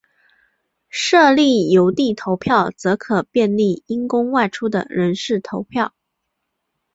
设立邮递投票则可便利因公外出的人士投票。